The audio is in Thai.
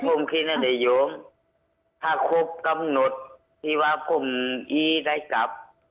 ผมคิดว่าโยมถ้าครบกำหนดที่ว่าผมอีได้กลับ